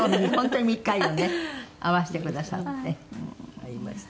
会いました。